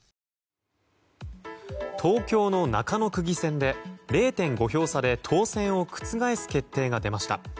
東京の中野区議選で０．５票差で当選を覆す決定が出ました。